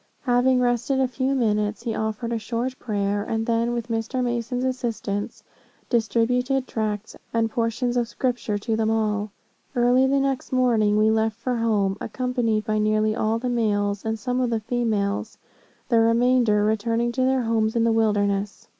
Having rested a few minutes, he offered a short prayer, and then with Mr. Mason's assistance, distributed tracts and portions of Scripture to them all. Early the next morning we left for home, accompanied by nearly all the males and some of the females, the remainder returning to their homes in the wilderness.